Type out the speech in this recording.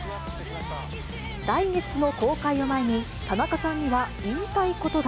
来月の公開を前に、田中さんには言いたいことが。